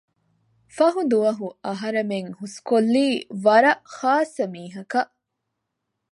ފަހު ދުވަހު އަހަރެމެން ހުސްކޮށްލީ ވަރަށް ޚާއްސަ މީހަކަށް